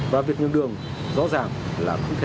và việc nhường đường rõ ràng là không thể